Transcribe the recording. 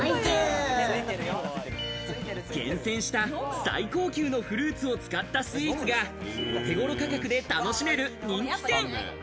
厳選した最高級のフルーツを使ったスイーツがお手頃価格で楽しめる人気店。